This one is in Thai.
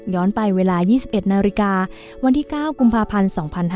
ไปเวลา๒๑นาฬิกาวันที่๙กุมภาพันธ์๒๕๕๙